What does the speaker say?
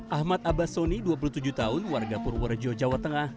ahmad abasoni dua puluh tujuh tahun warga purworejo jawa tengah